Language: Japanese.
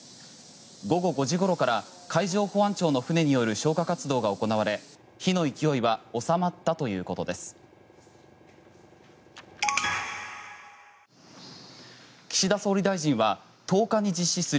午後５時ごろから海上保安庁の船による消火活動が行われ火の勢いは収まったということです。